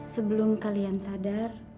sebelum kalian sadar